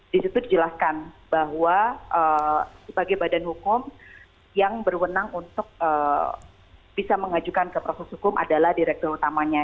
di situ dijelaskan bahwa sebagai badan hukum yang berwenang untuk bisa mengajukan ke proses hukum adalah direktur utamanya